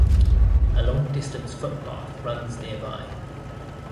A long-distance footpath runs nearby.